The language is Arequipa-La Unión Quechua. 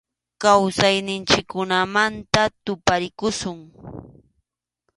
Kawsayninchikkunamanta tapurinakusun.